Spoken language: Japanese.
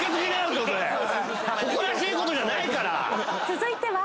続いては。